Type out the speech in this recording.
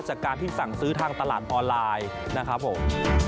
จากการที่สั่งซื้อทางตลาดออนไลน์นะครับผม